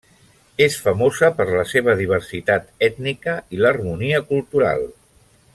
És famosa per la seva diversitat ètnica i l'harmonia cultural.